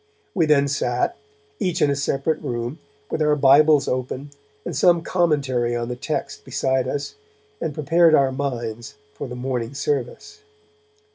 We then sat, each in a separate room, with our Bibles open and some commentary on the text beside us, and prepared our minds for the morning service.